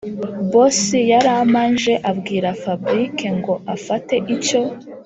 boss yaramanje abwira fabric ngo afate icyo